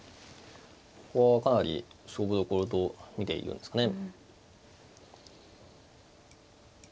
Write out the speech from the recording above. ここはかなり勝負どころと見ているんですかね。